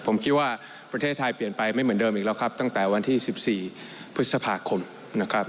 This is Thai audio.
ผมคิดว่าประเทศไทยเปลี่ยนไปไม่เหมือนเดิมอีกแล้วครับตั้งแต่วันที่๑๔พฤษภาคมนะครับ